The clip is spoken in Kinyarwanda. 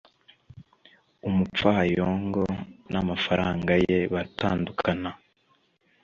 umupfayongo n'amafaranga ye baratandukana